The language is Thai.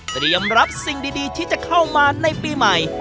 เตรียมรับสิ่งดีที่จะเข้ามาในปีใหม่